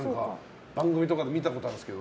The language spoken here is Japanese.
番組とかで見たことあるんですけど。